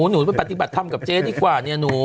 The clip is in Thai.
หนูไปปฏิบัติธรรมกับเจ๊ดีกว่าเนี่ยหนู